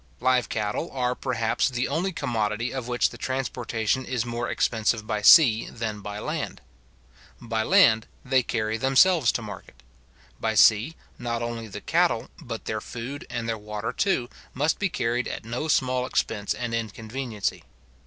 Live cattle are, perhaps, the only commodity of which the transportation is more expensive by sea than by land. By land they carry themselves to market. By sea, not only the cattle, but their food and their water too, must be carried at no small expense and inconveniency.